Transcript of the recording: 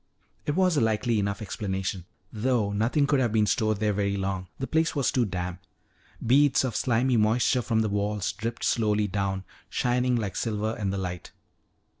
It was a likely enough explanation though nothing could have been stored there very long; the place was too damp. Beads of slimy moisture from the walls dripped slowly down, shining like silver in the light.